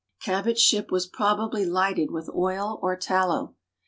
Cabot's ship was probably lighted with oil or tallow.